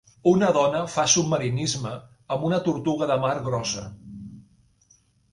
Una dona fa submarinisme amb una tortuga de mar grossa.